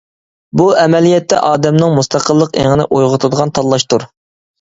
بۇ ئەمەلىيەتتە ئادەمنىڭ مۇستەقىللىق ئېڭىنى ئويغىتىدىغان تاللاشتۇر.